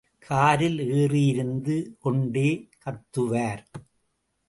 காரில் ஏறி இருந்து கொண்டே கத்துவார்.